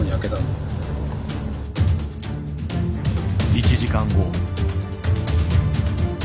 １時間後。